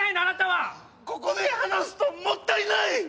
あなたはここで話すともったいない！